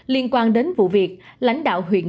liên quan đến vụ việc lãnh đạo huyện